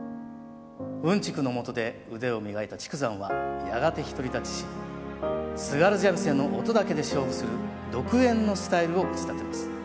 雲竹のもとで腕を磨いた竹山はやがて独り立ちし津軽三味線の音だけで勝負する独演のスタイルを打ち立てます。